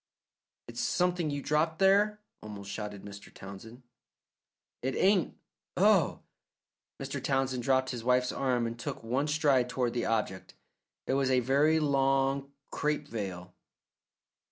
"It's something you dropped there," almost shouted Mr. Townsend. "It ain't. Oh!" Mr. Townsend dropped his wife's arm and took one stride toward the object. It was a very long crape veil.